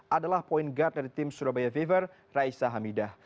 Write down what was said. adalah point guard dari tim surabaya viver raisa hamidah